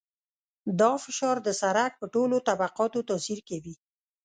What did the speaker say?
دا فشار د سرک په ټولو طبقاتو تاثیر کوي